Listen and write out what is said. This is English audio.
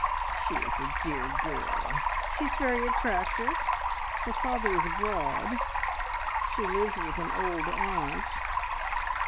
"She is a dear girl! She is very attractive! Her father is abroad. She lives with an old aunt."